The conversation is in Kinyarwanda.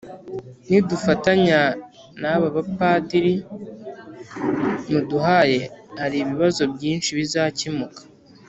nidufatanya n’aba bapadiri muduhaye hari ibibazobyinshi bizakemuka